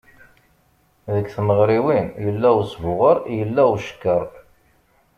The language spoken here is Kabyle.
Deg tmeɣriwin, yella usbuɣer yella ucekker.